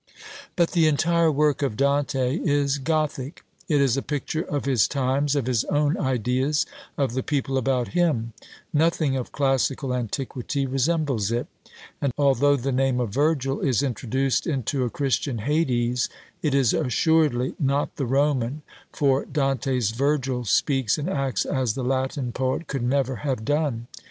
But the entire work of Dante is Gothic; it is a picture of his times, of his own ideas, of the people about him; nothing of classical antiquity resembles it; and although the name of Virgil is introduced into a Christian Hades, it is assuredly not the Roman, for Dante's Virgil speaks and acts as the Latin poet could never have done.